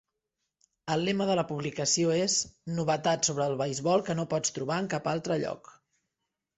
El lema de la publicació és "Novetats sobre el beisbol que no pots trobar en cap altre lloc".